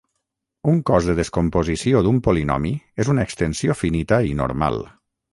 Un cos de descomposició d'un polinomi és una extensió finita i normal.